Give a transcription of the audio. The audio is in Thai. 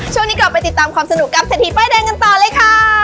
ช่วงนี้กลับไปติดตามความสนุกกับเศรษฐีป้ายแดงกันต่อเลยค่ะ